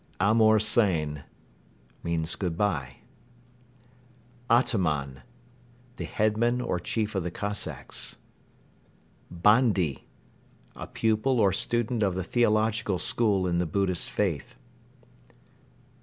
Amour sayn. Good bye. Ataman. Headman or chief of the Cossacks. Bandi. Pupil or student of theological school in the Buddhist faith.